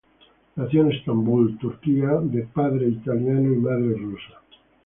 Nació en Estambul, Turquía, de padre italiano y madre rusa.